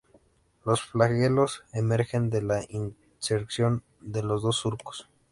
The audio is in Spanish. Los flagelos emergen de la intersección de los dos surcos.